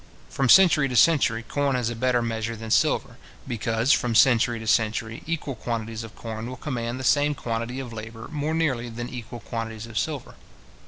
From century to century, corn is a better measure than silver, because, from century to century, equal quantities of corn will command the same quantity of labour more nearly than equal quantities of silver.